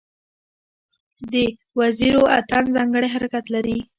د وزیرو اتن ځانګړی حرکت لري.